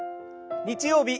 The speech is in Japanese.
日曜日